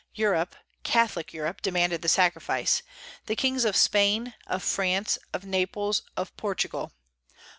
Europe, Catholic Europe, demanded the sacrifice, the kings of Spain, of France, of Naples, of Portugal.